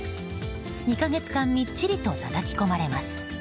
２か月間みっちりとたたき込まれます。